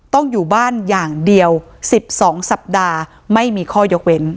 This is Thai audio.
ต้องอยู่บ้านอย่างเดียว๑๒สัปดาห์ไม่มีข้อยกเว้น